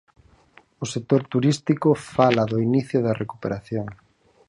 O sector turístico fala do inicio da recuperación.